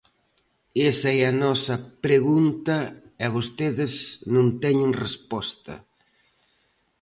Esa é a nosa pregunta, e vostedes non teñen resposta.